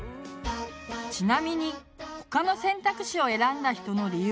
ちなみに他の選択肢を選んだ人の理由はこんな感じ。